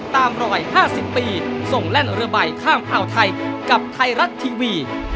ตามรอย๕๐ปีส่งแล่นเรือใบข้ามอ่าวไทยกับไทยรัฐทีวี